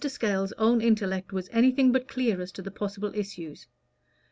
Scales's own intellect was anything but clear as to the possible issues.